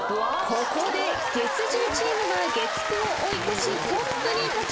ここで月１０チームが月９を追い越しトップに立ちました。